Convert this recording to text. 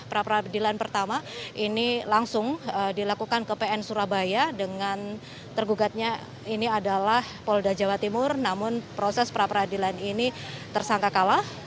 pra peradilan pertama ini langsung dilakukan ke pn surabaya dengan tergugatnya ini adalah polda jawa timur namun proses pra peradilan ini tersangka kalah